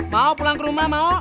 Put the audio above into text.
mau pulang ke rumah mau